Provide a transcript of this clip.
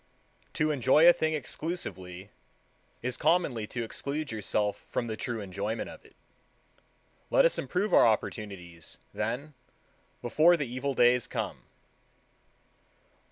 To enjoy a thing exclusively is commonly to exclude yourself from the true enjoyment of it. Let us improve our opportunities, then, before the evil days come.